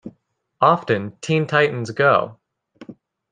Often, Teen Titans Go!